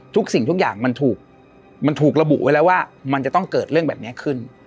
สิ่งทุกอย่างมันถูกมันถูกระบุไว้แล้วว่ามันจะต้องเกิดเรื่องแบบนี้ขึ้น